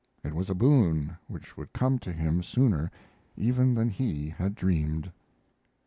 It was a boon which would come to him sooner even than he had dreamed.